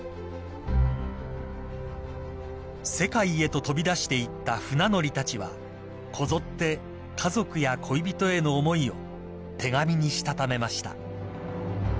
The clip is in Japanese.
［世界へと飛び出していった船乗りたちはこぞって家族や恋人への思いを手紙にしたためました］